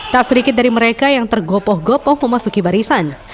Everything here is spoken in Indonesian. tak sedikit dari mereka yang tergopoh gopoh memasuki barisan